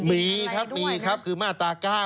มีครับมีครับคือมาตรา๙